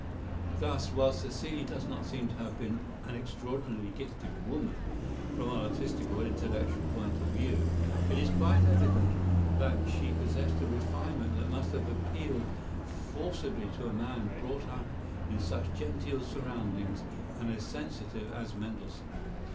] Thus, while Cécile does not seem to have been an extraordinarily gifted woman from an artistic or intellectual point of view, it is quite evident that she possessed a refinement that must have appealed forcibly to a man brought up in such genteel surroundings and as sensitive as Mendelssohn.